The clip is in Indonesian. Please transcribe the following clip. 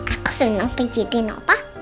aku seneng pijitin apa